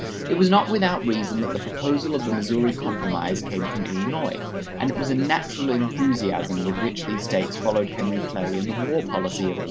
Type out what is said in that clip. It was not without reason that the proposal of the Missouri Compromise came from Illinois, and it was a natural enthusiasm with which these States followed Henry Clay in the war policy of 1812.